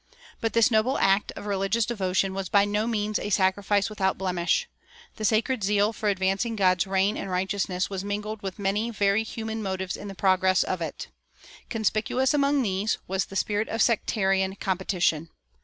But this noble act of religious devotion was by no means a sacrifice without blemish. The sacred zeal for advancing God's reign and righteousness was mingled with many very human motives in the progress of it. Conspicuous among these was the spirit of sectarian competition.